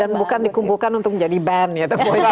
dan bukan dikumpulkan untuk menjadi band ya